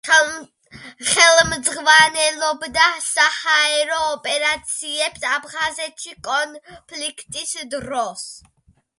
ხელმძღვანელობდა საჰაერო ოპერაციებს აფხაზეთში კონფლიქტის დროს.